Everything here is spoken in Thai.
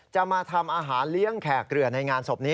จะมาทำอาหารเลี้ยงแขกเรือในงานศพนี้